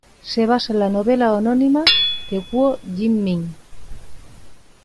Se basa en la novela homónima de Guo Jing-ming.